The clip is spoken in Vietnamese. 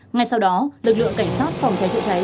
ngay sau đó lực lượng cảnh sát phòng cháy chữa cháy